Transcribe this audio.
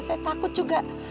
saya takut juga